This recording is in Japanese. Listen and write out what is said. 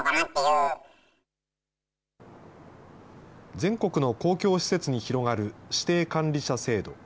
全国の公共施設に広がる指定管理者制度。